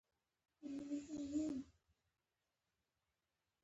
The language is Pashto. د کسبګرانو لږ تولید د بازار اړتیا نه پوره کوله.